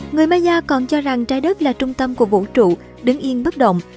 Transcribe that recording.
người maya còn cho rằng trái đất là trung tâm của vũ trụ đứng yên bất động